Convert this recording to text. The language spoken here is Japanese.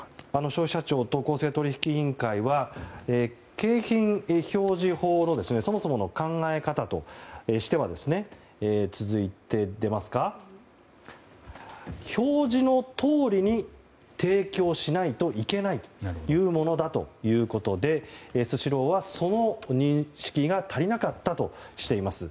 消費者庁と公正取引委員会は景品表示法のそもそもの考え方としては表示の通りに提供しないといけないというものだということでスシローは、その認識が足りなかったとしています。